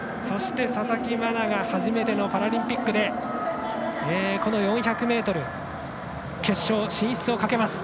佐々木真菜が初めてのパラリンピックでこの４００ｍ決勝進出をかけます。